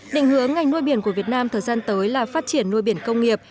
định hướng ngành nuôi biển của việt nam thời gian tới là phát triển nuôi biển công nghiệp